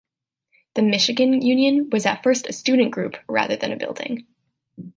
The Michigan Union was at first a student group rather than a building.